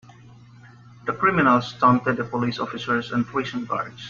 The criminals taunted the police officers and prison guards.